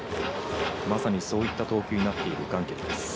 まさにそういった投球になっているガンケルです。